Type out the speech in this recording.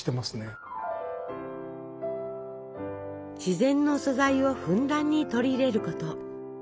自然の素材をふんだんに取り入れること。